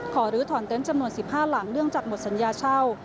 ลื้อถอนเต็นต์จำนวน๑๕หลังเนื่องจากหมดสัญญาเช่า